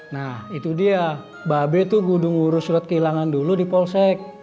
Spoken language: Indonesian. nah itu dia mbak be tuh gudung ngurus surat kehilangan dulu di polsek